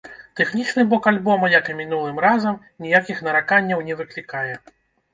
Тэхнічны бок альбома, як і мінулым разам, ніякіх нараканняў не выклікае.